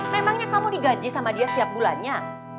memangnya kamu digaji sama dia setiap bulannya